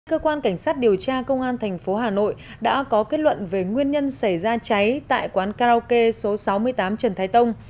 cơ quan cảnh sát điều tra công an tp hà nội đã có kết luận về nguyên nhân xảy ra cháy tại quán karaoke số sáu mươi tám trần thái tông